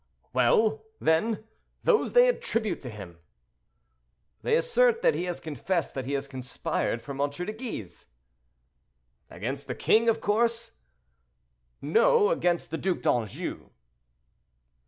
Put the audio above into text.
"Well, then, those they attribute to him." "They assert that he has confessed that he conspired for M. de Guise." "Against the king, of course?" "No; against the Duc d'Anjou."